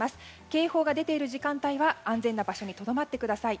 警報が出ている時間帯は安全な場所にとどまってください。